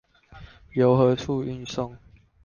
由何處運送？